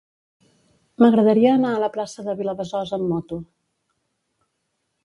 M'agradaria anar a la plaça de Vilabesòs amb moto.